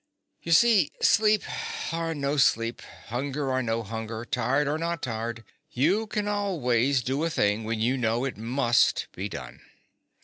_) You see, sleep or no sleep, hunger or no hunger, tired or not tired, you can always do a thing when you know it must be done.